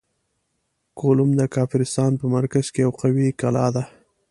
کولوم د کافرستان په مرکز کې یوه قوي کلا ده.